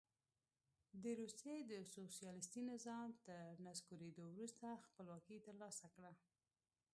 د روسیې د سوسیالیستي نظام تر نسکورېدو وروسته خپلواکي ترلاسه کړه.